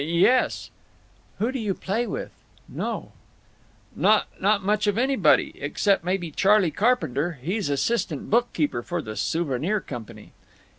"Y yes." "Who do you play with—know?" "Not—not much of anybody. Except maybe Charley Carpenter. He's assistant bookkeeper for the Souvenir Company.